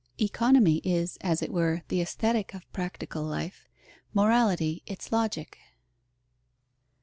Economy is, as it were, the Aesthetic of practical life; Morality its Logic.